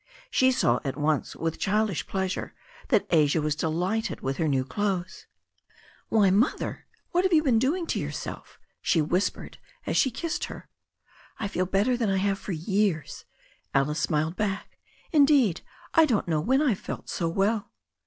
She saw at once, with childish pleasure, that Asia was de« lighted with her new clothes. "Why, mother, what have you been doing to yourself?" ihe whispered, as she kissed her. "I feel better than I have for years," Alice smiled back. •'Indeed, I don't know when I felt so well."